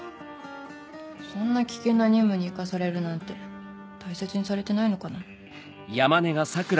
そんな危険な任務に行かされるなんて大切にされてないのかな？